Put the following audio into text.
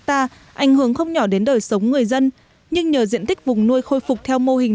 ta ảnh hưởng không nhỏ đến đời sống người dân nhưng nhờ diện tích vùng nuôi khôi phục theo mô hình